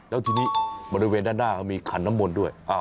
แล้วทีนี้บริเวณด้านหน้าเขามีขันน้ำมนต์ด้วย